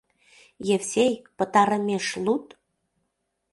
Евсей, пытарымеш луд.